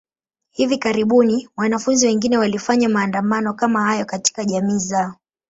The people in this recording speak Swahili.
Hivi karibuni, wanafunzi wengine walifanya maandamano kama hayo katika jamii zao.